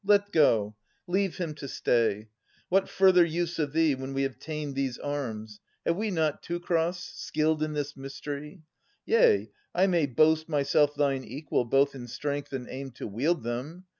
Let go ! Leave him to stay. What further use of thee, When we have ta'en these arms? Have we not Teucer, Skilled in this mystery? Yea, I may boast Myself thine equal both in strength and aim To wield them.